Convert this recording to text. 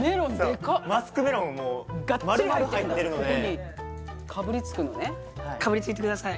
マスクメロンまるまる入ってるがっつり入ってるここにかぶりつくのねかぶりついてください